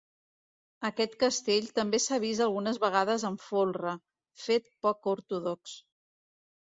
Aquest castell també s'ha vist algunes vegades amb folre, fet poc ortodox.